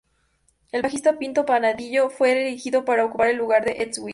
El bajista Pino Palladino fue elegido para ocupar el lugar de Entwistle.